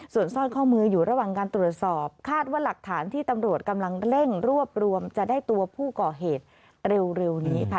ส่วนสร้อยข้อมืออยู่ระหว่างการตรวจสอบคาดว่าหลักฐานที่ตำรวจกำลังเร่งรวบรวมจะได้ตัวผู้ก่อเหตุเร็วนี้ค่ะ